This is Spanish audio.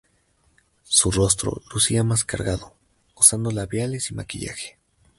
Su rostro lucía más cargado, usando labiales y maquillaje.